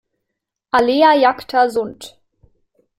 Alea jacta sunt.